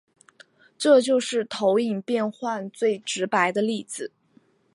这就是投影变换最直白的例子。